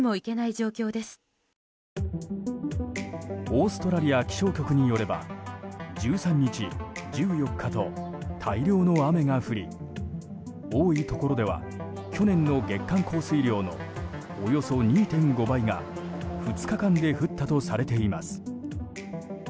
オーストラリア気象局によれば１３日、１４日と大量の雨が降り、多いところでは去年の月間降水量のおよそ２．５倍が２日間で降ったとされています。